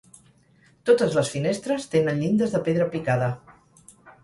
Totes les finestres tenen llindes de pedra picada.